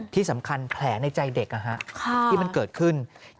ที่สำคัญแผลในใจเด็กที่มันเกิดขึ้น